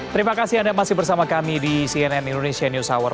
terima kasih anda masih bersama kami di cnn indonesia news hour